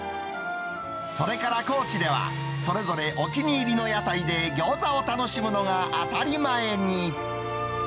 それから高知では、それぞれお気に入りの屋台で餃子を楽しむのが当たり前に。